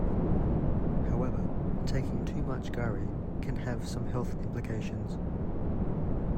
However, taking too much garri can have some health implications.